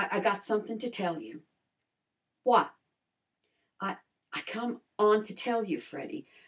I got somethin' to tell you." "What?" "I I come on to tell you, Freddy.